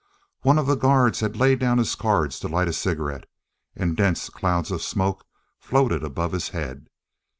One of the guards had laid down his cards to light a cigarette, and dense clouds of smoke floated above his head.